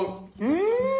うん！